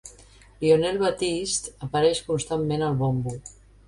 Lionel Batiste apareix constantment al bombo.